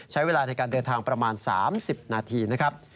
ใช้เวลาในการเดินทางประมาณ๓๐นาทีนะครับ